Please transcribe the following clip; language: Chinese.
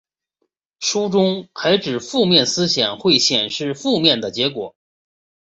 书中还指负面思想会显示负面的结果。